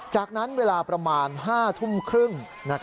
จากนั้นเวลาประมาณ๕ทุ่มครึ่ง